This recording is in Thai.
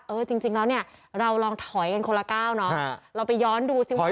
เออจริงแล้วเนี่ยเราลองถอยกันคนละก้าวเนอะเราไปย้อนดูซิว่า